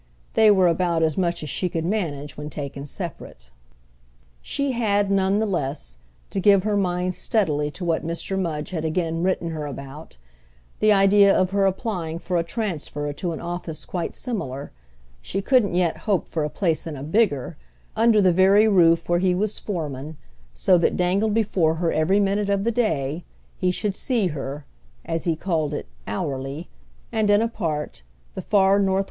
They were about as much as she could manage when taken separate. She had, none the less, to give her mind steadily to what Mr. Mudge had again written her about, the idea of her applying for a transfer to an office quite similar—she couldn't yet hope for a place in a bigger—under the very roof where he was foreman, so that, dangled before her every minute of the day, he should see her, as he called it, "hourly," and in a part, the far N.W.